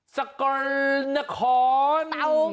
สกลนคร